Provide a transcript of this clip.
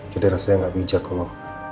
jadi rasanya gak bijak kalo